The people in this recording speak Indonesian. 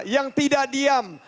yang tidak diam